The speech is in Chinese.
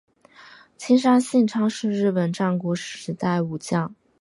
青山信昌是日本战国时代武将。